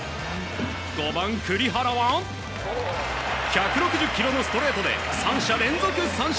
５番、栗原は１６０キロのストレートで３者連続三振。